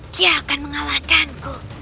dia akan mengalahkanku